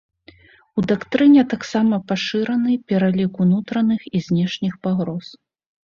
У дактрыне таксама пашыраны пералік унутраных і знешніх пагроз.